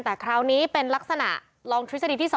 แต่คราวนี้เป็นลักษณะลองทฤษฎีที่๒